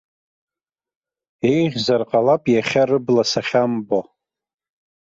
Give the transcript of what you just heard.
Еиӷьзар ҟалап иахьа рыбла сахьамбо.